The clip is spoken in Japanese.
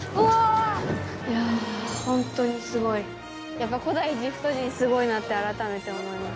やっぱ古代エジプト人すごいなって改めて思います。